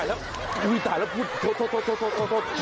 โอ้ยถ่ายแล้วพูดโทษ